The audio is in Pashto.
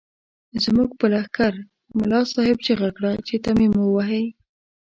زموږ په لښکر ملا صاحب چيغه کړه چې تيمم ووهئ.